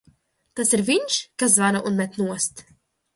Tas ir viņš, kas zvana un met nost?